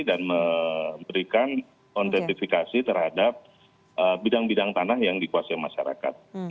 memberikan otentifikasi terhadap bidang bidang tanah yang dikuasai masyarakat